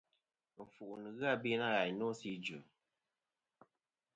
Ɨnfuʼ nɨn ghɨ abe nâ ghàyn nô sɨ idvɨ.